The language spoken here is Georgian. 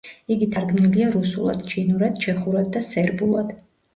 იგი თარგმნილია რუსულად, ჩინურად, ჩეხურად და სერბულად.